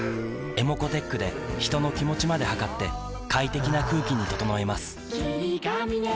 ｅｍｏｃｏーｔｅｃｈで人の気持ちまで測って快適な空気に整えます